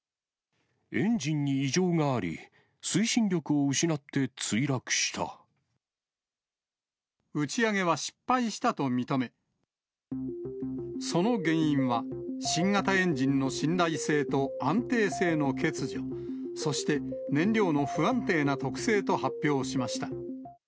エンジンに異常があり、打ち上げは失敗したと認め、その原因は、新型エンジンの信頼性と安定性の欠如、そして燃料の不安定な特性と発表しました。